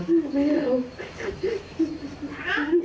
หลังจากขั้นตอนนี้ที่เสร็จพิธีนะคะคุณผู้ชม